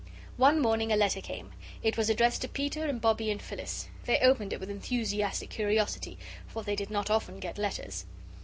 One morning a letter came. It was addressed to Peter and Bobbie and Phyllis. They opened it with enthusiastic curiosity, for they did not often get letters.